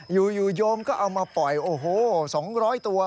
อยู่โยมก็เอามาปล่อย๒๐๐ตัว